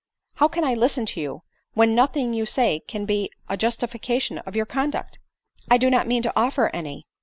" How can I listen to you, when nothing you can say can be a justification of ypur conduct." " I do not mean to offer any.